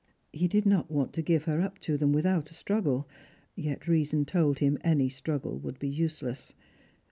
He did not want to give her up to them without a struggle, 3'et reason told him any struggle would be useless.